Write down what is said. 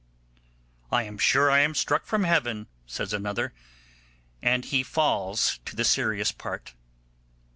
'I am sure I am struck from Heaven', says another, and he falls to the serious part.